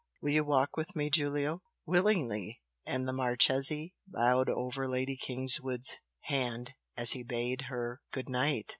Will you walk with me, Giulio?" "Willingly!" and the Marchese bowed over Lady Kingswood's hand as he bade her "Good night."